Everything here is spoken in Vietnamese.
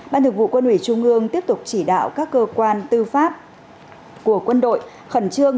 ban thường vụ quân ủy trung ương tiếp tục chỉ đạo các cơ quan tư pháp của quân đội khẩn trương